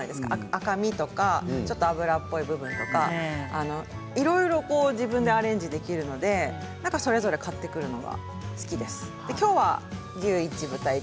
赤身とか脂っこいのがいいとかいろいろ自分でアレンジできるのでそれぞれ買ってくるのが好きです。